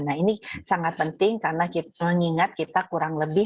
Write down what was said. nah ini sangat penting karena mengingat kita kurang lebih